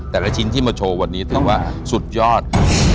ชิ้นที่มาโชว์วันนี้ถือว่าสุดยอด